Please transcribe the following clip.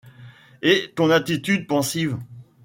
Et ton attitude pensive